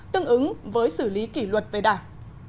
tương ứng với xử lý kỷ luật về đảng